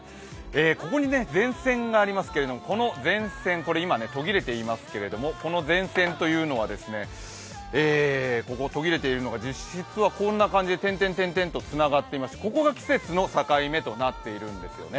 ここに前線がありますけど、この前線今、途切れていますけどこの前線というのは、途切れているのは実はこんな感じで点々とつながっていまして、ここが季節の境目となっているんですよね。